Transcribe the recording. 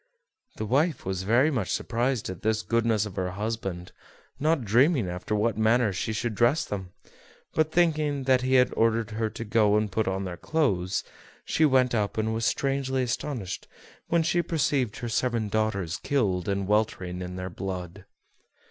The wife was very much surprised at this goodness of her husband, not dreaming after what manner she should dress them; but, thinking that he had ordered her to go and put on their clothes, she went up, and was strangely astonished when she perceived her seven daughters killed, and weltering in their blood.